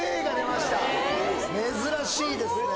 珍しいですね